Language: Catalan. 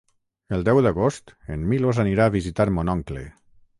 El deu d'agost en Milos anirà a visitar mon oncle.